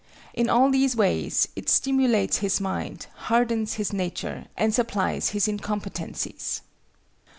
In all these ways it stimulates his mind, hardens his nature, and supplies his incompetencies."